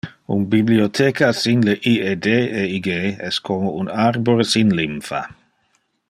Un bibliotheca sin le ied e ig es como un arbore sin lympha.